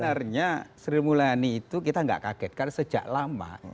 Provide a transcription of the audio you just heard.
sebenarnya sri mulyani itu kita tidak kaget karena sejak lama